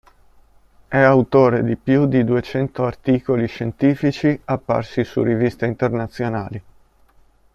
È autore di più di duecento articoli scientifici apparsi su riviste internazionali.